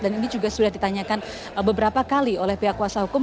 dan ini juga sudah ditanyakan beberapa kali oleh pihak kuasa hukum